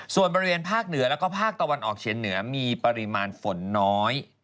ส่วนบริเวณภาคเหนือแล้วก็ภาคตะวันออกเฉียงเหนือมีปริมาณฝนน้อย